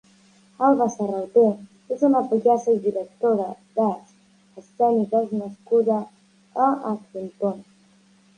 Alba Sarraute és una pallassa i directora d'arts escèniques nascuda a Argentona.